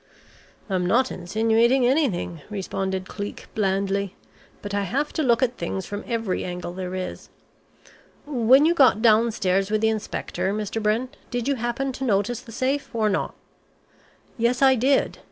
"I'm not insinuating anything," responded Cleek blandly, "but I have to look at things from every angle there is. When you got downstairs with the inspector, Mr. Brent, did you happen to notice the safe or not?" "Yes, I did.